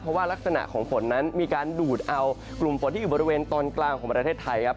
เพราะว่ารักษณะของฝนนั้นมีการดูดเอากลุ่มฝนที่อยู่บริเวณตอนกลางของประเทศไทยครับ